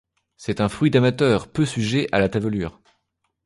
C'est un fruit d'amateur, peu sujet à la tavelure.